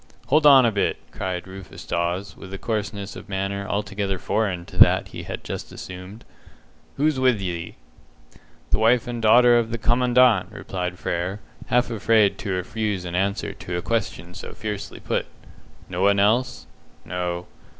"Hold on a bit!" cried Rufus Dawes, with a coarseness of manner altogether foreign to that he had just assumed. "Who's with ye?" "The wife and daughter of the Commandant," replied Frere, half afraid to refuse an answer to a question so fiercely put. "No one else?" "No."